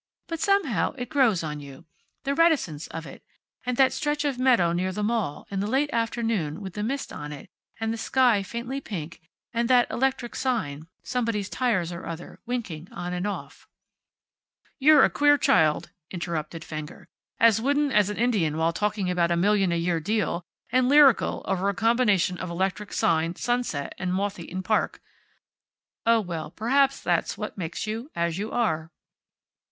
But somehow, it grows on you. The reticence of it. And that stretch of meadow near the Mall, in the late afternoon, with the mist on it, and the sky faintly pink, and that electric sign Somebody's Tires or other winking off and on " "You're a queer child," interrupted Fenger. "As wooden as an Indian while talking about a million a year deal, and lyrical over a combination of electric sign, sunset, and moth eaten park. Oh, well, perhaps that's what makes you as you are."